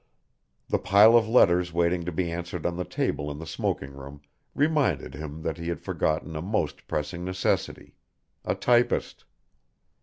The pile of letters waiting to be answered on the table in the smoking room reminded him that he had forgotten a most pressing necessity a typist.